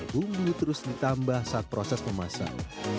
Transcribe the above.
bumbu terus ditambah saat proses memasak